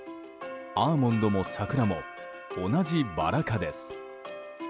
アーモンドも桜も同じバラ科です。